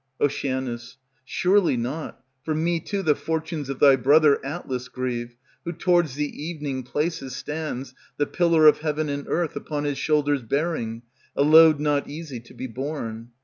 Oc. Surely not, for me too the fortunes of thy brother Atlas grieve, who towards the evening places Stands, the pillar of heaven and earth Upon his shoulders bearing, a load not easy to be borne.